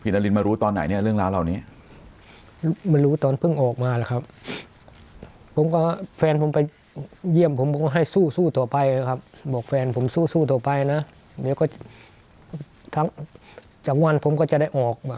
ผีดารินมารู้ตอนไหนเนี่ยเรื่องร้านเหล่านี้